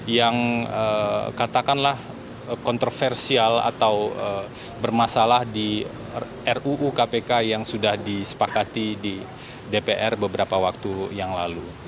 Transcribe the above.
yang katakanlah kontroversial atau bermasalah di ruu kpk yang sudah disepakati di dpr beberapa waktu yang lalu